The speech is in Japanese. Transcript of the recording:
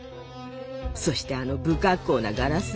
そしてあの不格好なガラス。